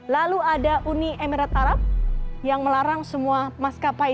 lalu ada uni emirat arab yang melarang semua maskapai